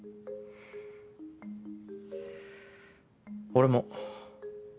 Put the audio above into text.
俺も。